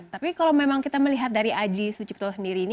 tapi kalau memang kita melihat dari aji sucipto sendiri ini